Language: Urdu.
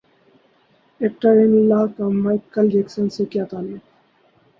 ایکٹر ان لا کا مائیکل جیکسن سے کیا تعلق